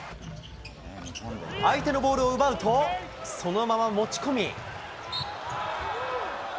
相手のボールを奪うと、そのまま持ち込み。